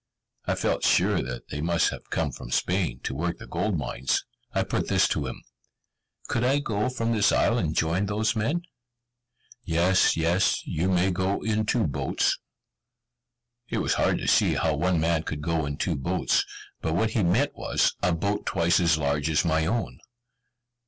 I felt sure that they must have come from Spain, to work the gold mines. I put this to him: "Could I go from this isle and join those men?" "Yes, yes, you may go in two boats." It was hard to see how one man could go in two boats, but what he meant was, a boat twice as large as my own.